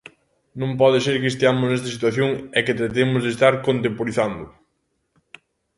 Non pode ser que esteamos nesta situación e que tratemos de estar contemporizando.